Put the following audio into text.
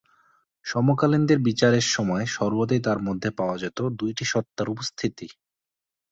সমকালীনদের বিচারের সময় সর্বদাই তার মধ্যে পাওয়া যেত দুইটি সত্তার উপস্থিতি।